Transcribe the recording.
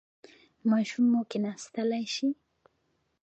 ماشوم مو کیناستلی شي؟